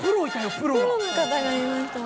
プロの方がいましたね。